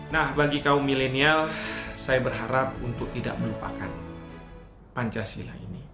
nah bagi kaum milenial saya berharap untuk tidak melupakan pancasila ini